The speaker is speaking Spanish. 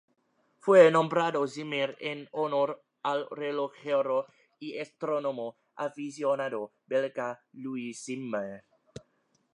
Fue nombrado Zimmer en honor al relojero y astrónomo aficionado belga Louis Zimmer.